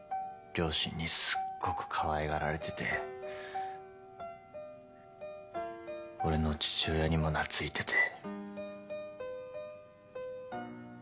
両親にすっごくかわいがられてて俺の父親にも懐いてて。